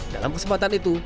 dalam kesempatan itu